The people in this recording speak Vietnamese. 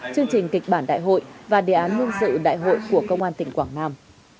chương trình kịch bản đại hội và đề án nhân sự đại hội của công an tỉnh quảng nam